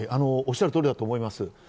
おっしゃる通りだと思います。